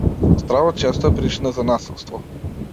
Стравот често е причина за насилство.